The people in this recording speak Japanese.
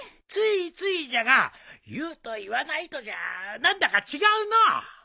ついついじゃが言うと言わないとじゃ何だか違うのう。